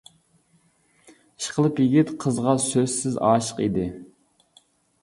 ئىشقىلىپ يىگىت قىزغا سۆزسىز ئاشىق ئىدى.